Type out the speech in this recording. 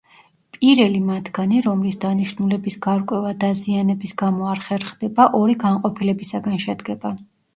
პირელი მათგანი, რომლის დანიშნულების გარკვევა დაზიანების გამო არ ხერხდება, ორი განყოფილებისაგან შედგება.